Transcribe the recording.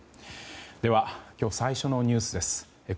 では、今日最初のニュースです。